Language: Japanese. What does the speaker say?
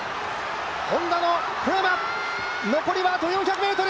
Ｈｏｎｄａの小山、残りはあと４００ｍ！